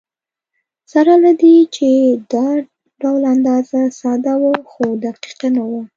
سره له دې چې دا ډول اندازه ساده وه، خو دقیقه نه وه.